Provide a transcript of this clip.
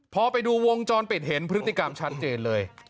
พอไปดูวงจรปิดเห็นพฤติกรรมชัดเจนเลย